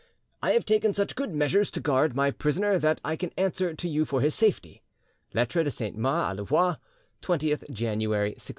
"I have taken such good measures to guard my prisoner that I can answer to you for his safety" ('Lettres de Saint Mars a Louvois', 20th January 1687).